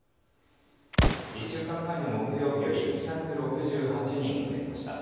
１週間前の木曜日より２６８人増えました。